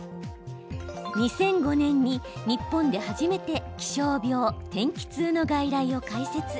２００５年に日本で初めて気象病・天気痛の外来を開設。